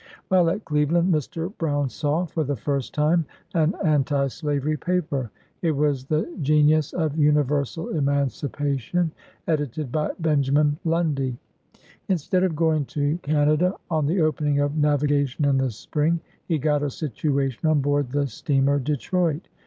While at Cleveland, Mr. Brown saw, for the first time, an anti slavery paper. It was the Genius of Universal Emancipation, edited by Benjamin Lundy. Instead of going to Canada, on the opening of nav igation in the spring, he got a situation on board the steamer "Detroit.